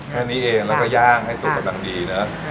แค่นี้เองแล้วก็ย่างให้สุกกำลังดีนะ